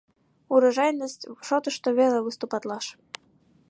Урожайность шотышто веле выступатлаш.